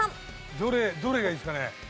どれどれがいいですかね？